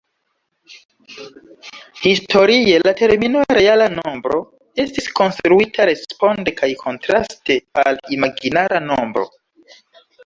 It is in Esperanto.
Historie la termino "reala nombro" estis konstruita responde kaj kontraste al imaginara nombro.